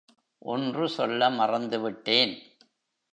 ஒன்று சொல்ல மறந்துவிட்டேன்.